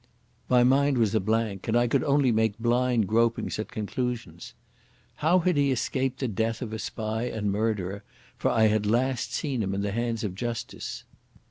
My mind was a blank, and I could only make blind gropings at conclusions.... How had he escaped the death of a spy and a murderer, for I had last seen him in the hands of justice?...